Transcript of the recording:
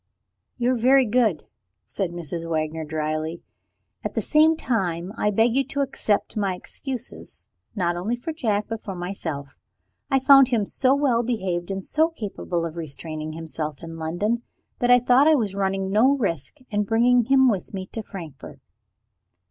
"You are very good," said Mrs. Wagner dryly. "At the same time, I beg you to accept my excuses not only for Jack, but for myself. I found him so well behaved, and so capable of restraining himself in London, that I thought I was running no risk in bringing him with me to Frankfort."